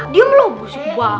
diam lo bu subang